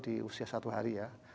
di usia satu hari ya